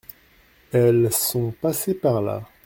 Elles sont passées par là.